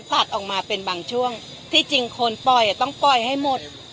ตัดออกมาเป็นบางช่วงที่จริงคนปล่อยต้องปล่อยให้หมด